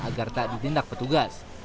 agar tak ditindak petugas